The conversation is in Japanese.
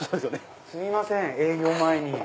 すいません営業前に。